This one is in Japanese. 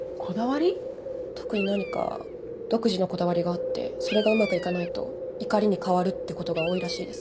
特に何か独自のこだわりがあってそれがうまくいかないと怒りに変わるってことが多いらしいです。